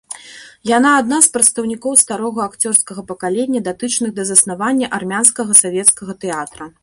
Яна адна з прадстаўнікоў старога акцёрскага пакалення, датычных да заснавання армянскага савецкага тэатра.